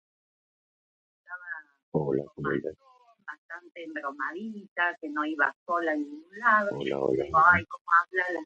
Muchos artistas populares fueron descubiertos en este momento.